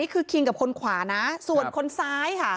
คือคิงกับคนขวานะส่วนคนซ้ายค่ะ